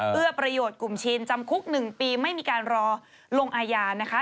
เพื่อประโยชน์กลุ่มชินจำคุก๑ปีไม่มีการรอลงอาญานะคะ